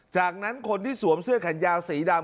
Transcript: จากนั้นคนที่สวมเสื้อแขนยาวสีดำ